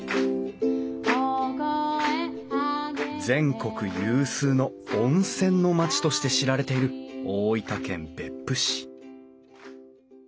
全国有数の温泉の町として知られている大分県別府市